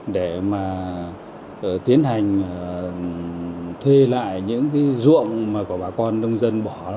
để tiến hành thuê lại những ruộng mà bà con nông dân bỏ